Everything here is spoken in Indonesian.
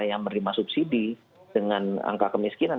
yang menerima subsidi dengan angka kemiskinan